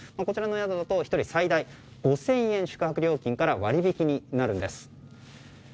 こちらの宿だと１人最大５０００円が宿泊料金から割り引きになるんです。